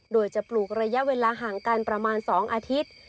โดยจะปลูกระยะเวลาห่างกันประมาณ๒อาทิตย์